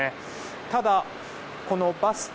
ただ、このバスタ